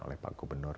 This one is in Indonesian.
oleh pak gubernur